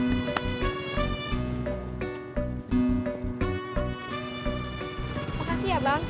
makasih ya bang